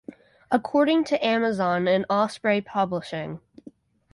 According to Amazon and Osprey Publishing